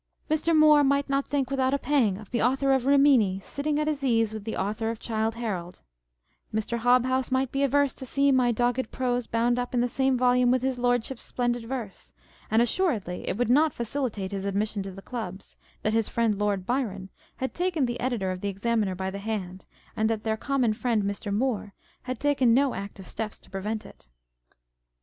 Mr. Moore might not think without a pang of the Author of Rimini sitting at his ease with the Author of Childe Harold ; Mr. Hobhouse might be averse to see my dogged prose bound up in the same volume writh his Lordship's splendid verse, and assuredly it would not facilitate his admission to the Clubs, that his friend Lord Byron had taken the Editor of the Examiner by the hand, and that their common friend Mr. Moore had taken no active steps to prevent it